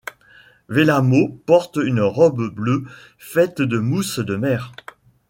Vellamo porte une robe bleue faite de mousse de mer.